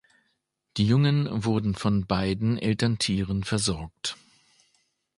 Die Jungen wurden von beiden Elterntieren versorgt.